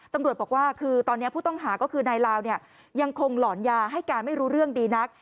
ตำรวจบอกว่าคือตอนนี้ผู้ต้องหาก็คือนายลาวยังคงหลอนยาให้การไม่รู้เรื่องดีนัก